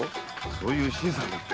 そう言う新さんだって。